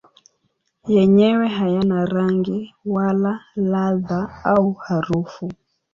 Yenyewe hayana rangi wala ladha au harufu.